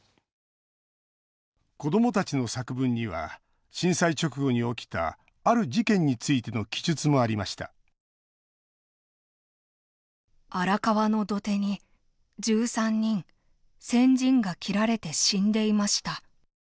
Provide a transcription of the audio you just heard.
子どもたちの作文には震災直後に起きたある事件についての記述もありました「荒川のどてに十三人鮮人が切られて死んでいました」。